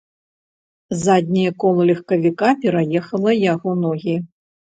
Задняе кола легкавіка пераехала яго ногі.